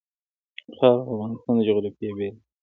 خاوره د افغانستان د جغرافیې بېلګه ده.